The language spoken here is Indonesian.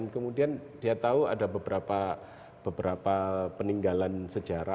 kemudian dia tahu ada beberapa peninggalan sejarah